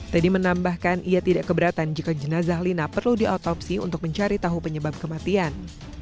teddy menambahkan ia tidak keberatan jika jenazah lina perlu diotopsi untuk mencari tahu penyebab kematian